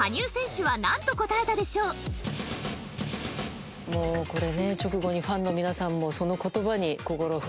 さてもうこれね直後にファンの皆さんもその言葉に。